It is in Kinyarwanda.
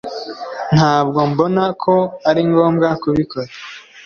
Ntabwo mbona ko ari ngombwa kubikora